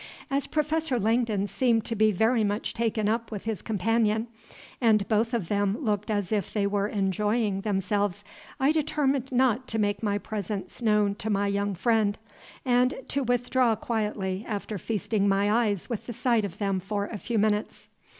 As Professor Langdon seemed to be very much taken up with his companion, and both of them looked as if they were enjoying themselves, I determined not to make my presence known to my young friend, and to withdraw quietly after feasting my eyes with the sight of them for a few minutes.